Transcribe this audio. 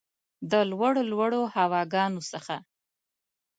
د لوړو ، لوړو هواګانو څخه